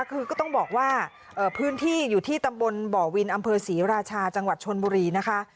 คือก็ต้องบอกว่าพื้นที่อยู่ที่ตำบลบ่อวินอำเภอศรีราชาจังหวัดชนบุรีนะคะ